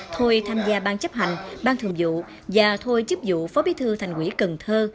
thôi tham gia ban chấp hành ban thường vụ và thôi chức vụ phó bí thư thành ủy cần thơ